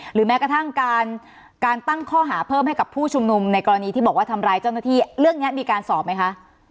แม้กระทั่งการตั้งข้อหาเพิ่มให้กับผู้ชุมนุมในกรณีที่บอกว่าทำร้ายเจ้าหน้าที่เรื่องนี้มีการสอบไหมคะ